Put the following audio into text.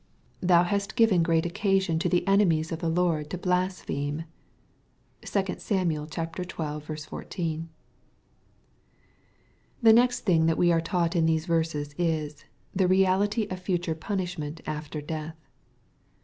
" thou hast given great occasion to the enemies of th€ Lord to blaspheme/' (2 Sam. xii. 14.) The next thing that we are taught in these verses is^ the reality of future punishment after death.